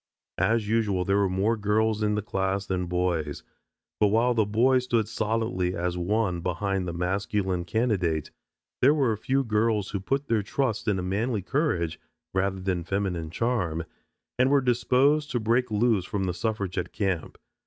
As usual there were more girls in the class than boys, but while the boys stood solidly as one behind the masculine candidate, there were a few girls who put their trust in manly courage rather than feminine charm and were disposed to break loose from the suffragette camp.